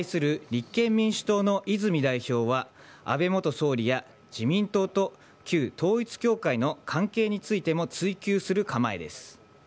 立憲民主党の泉代表は安倍元総理や自民党と旧統一教会の関係についても追及する構えです。